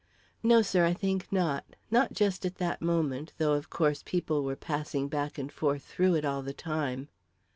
"No, sir; I think not; not just at that moment, though of course people were passing back and forth through it all the time."